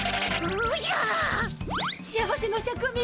おじゃ！